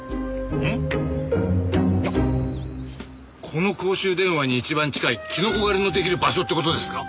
この公衆電話に一番近いキノコ狩りの出来る場所って事ですか？